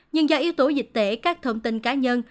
nhưng do yếu tố dịch tễ các thông tin cá nhân